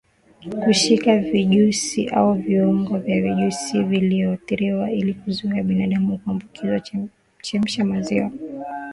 kushika vijusi au viungo vya vijusi viliyoathirika Ili kuzuia binadamu kuambukizwa chemsha maziwa